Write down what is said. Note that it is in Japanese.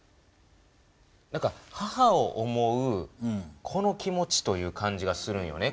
何か母を思う子の気持ちという感じがするんよね